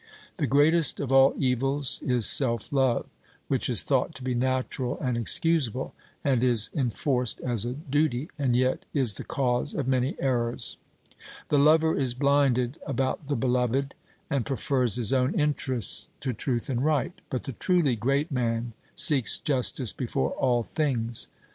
The greatest of all evils is self love, which is thought to be natural and excusable, and is enforced as a duty, and yet is the cause of many errors. The lover is blinded about the beloved, and prefers his own interests to truth and right; but the truly great man seeks justice before all things.